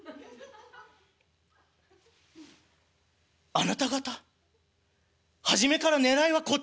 「あなた方初めから狙いはこっち？」。